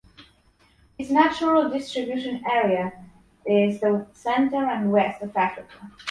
Its natural distribution area is the center and west of Africa.